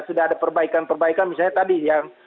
sudah ada perbaikan perbaikan misalnya tadi yang